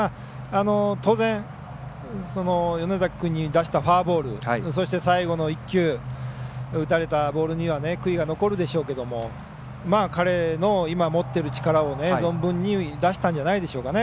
当然、野崎君に出したフォアボールそして、最後の１球打たれたボールには悔いが残るでしょうけど彼の今、持っている力を存分に出したんじゃないでしょうかね。